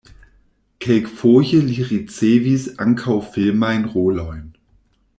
Kelkfoje li ricevis ankaŭ filmajn rolojn.